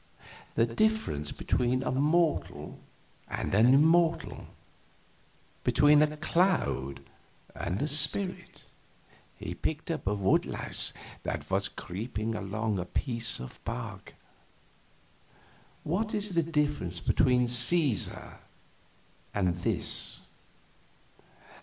The difference between a mortal and an immortal? between a cloud and a spirit?" He picked up a wood louse that was creeping along a piece of bark: "What is the difference between Cæsar and this?"